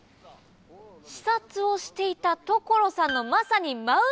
視察をしていた所さんのまさに真後ろに。